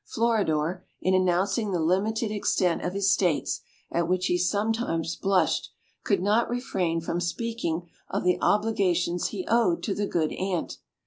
Floridor, in announcing the limited extent of his states, at which he sometimes blushed, could not refrain from speaking of the obligations he owed to the good Ant.